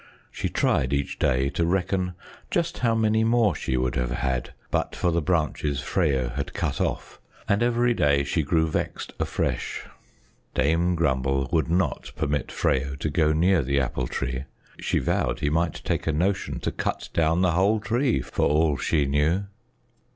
She tried each day to reckon just how many more she would have had but for the branches Freyo had cut off, and every day she grew vexed afresh. Dame Grumble would not permit Freyo to go near the Apple Tree. She vowed he might take a notion to cut down the whole tree, for all she knew.